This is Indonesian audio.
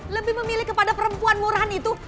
lebih memilih kepada perempuan murahan itu